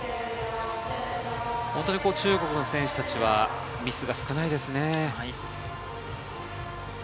中国の選手たちは本当にミスが少ないですね。